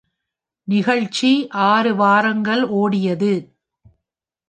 நிகழ்ச்சி ஆறு வாரங்கள் ஓடியது.